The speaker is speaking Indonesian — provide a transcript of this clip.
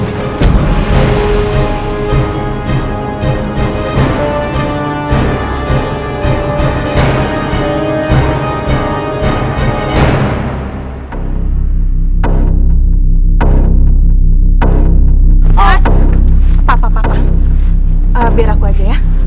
biar aku aja ya